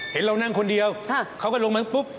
เห็นเรานั่งคนเดียวเขาก็ลงมาปุ๊บ